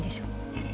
うん。